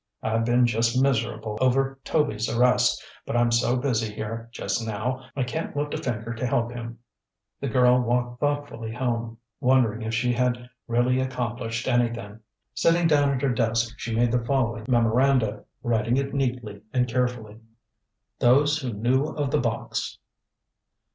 I've been just miserable over Toby's arrest; but I'm so busy here, just now, I can't lift a finger to help him." The girl walked thoughtfully home, wondering if she had really accomplished anything. Sitting down at her desk she made the following memoranda, writing it neatly and carefully: "THOSE WHO KNEW OF THE BOX.